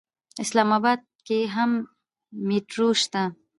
اسلام اباد کې هم میټرو شته.